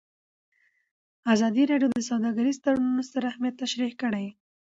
ازادي راډیو د سوداګریز تړونونه ستر اهميت تشریح کړی.